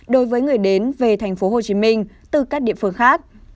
đối với người đến về thành phố hồ chí minh từ các địa phương khác